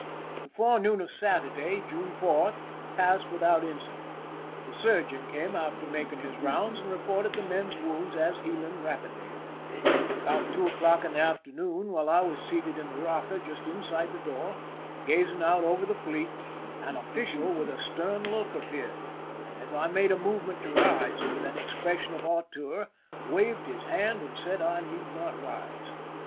The forenoon of Saturday (June 4) passed with out incident. The surgeon came after making his rounds, and reported the men's wounds as healing rapidly. About two o'clock in the afternoon, while I was seated in the rocker just inside the door, gazing out over the fleet, an official with a stern look appeared, and, as I made a movement to rise, with an expression of hauteur waved his hand and said I need not rise.